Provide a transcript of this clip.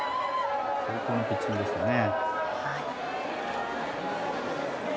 最高のピッチングでしたね。